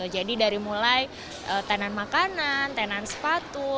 jadi dari mulai tenan makanan tenan sepatu